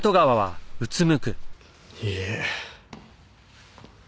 いいえ。